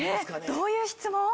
どういう質問？